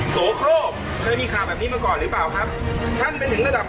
สโฆตื่องค่าแบบนี้มาก่อนรึเปล่าครับท่านเป็นถึงสถานประธาน